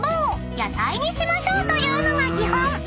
野菜にしましょうというのが基本］